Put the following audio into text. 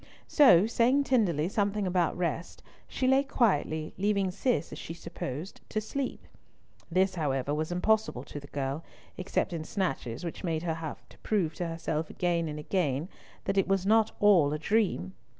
So, saying tenderly something about rest, she lay quietly, leaving Cis, as she supposed, to sleep. This, however, was impossible to the girl, except in snatches which made her have to prove to herself again and again that it was not all a dream.